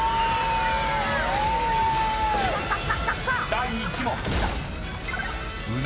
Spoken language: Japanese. ［第１問］